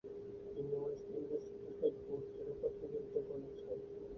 তিনি West Indies cricket board থেকে প্রতিনিধিত্ব করছেন।